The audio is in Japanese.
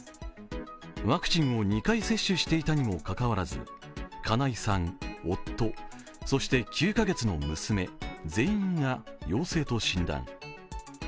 ワクチンを２回接種していたにもかかわらず金井さん、夫、そして９カ月の娘、全員が陽性と診断。